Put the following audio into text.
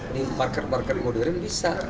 di parkir parkir modul bisa